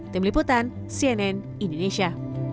tim liputan cnn indonesia